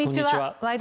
「ワイド！